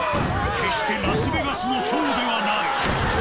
決してラスベガスのショーではない。